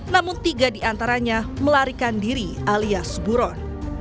namun tiga diantaranya melarikan diri alias buron